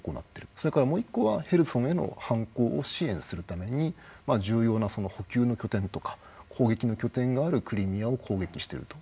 もう一個はヘルソンへの反攻を支援するために重要な補給の拠点とか攻撃の拠点があるクリミアを攻撃していると。